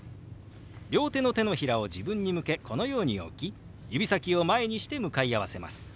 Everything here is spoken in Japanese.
両手の手のひらを自分に向けこのように置き指先を前にして向かい合わせます。